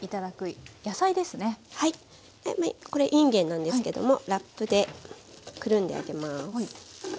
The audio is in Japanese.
はいこれいんげんなんですけどもラップでくるんであげます。